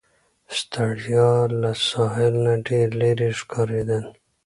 سټریسا له ساحل نه ډېره لیري ښکاریدل.